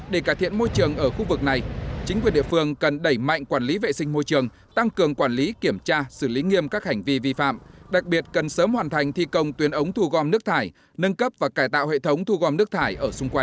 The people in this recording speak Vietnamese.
để cải thiện môi trường ở khu vực này chính quyền địa phương cần đẩy mạnh quản lý vệ sinh môi trường tăng cường quản lý kiểm tra xử lý nghiêm các hành vi vi phạm đặc biệt cần sớm hoàn thành thi công tuyến ống thu gom nước thải nâng cấp và cải tạo hệ thống thu gom nước thải ở xung quanh